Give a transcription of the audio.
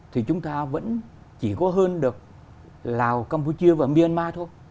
thì chúng ta vẫn chỉ có hơn được lào campuchia và myanmar thôi